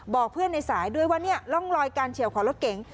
บอกเพื่อนในสายด้วยว่าลองลอยการเฉียวของรถเก่ง